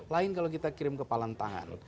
lain kalau kita kirim kepalan tangan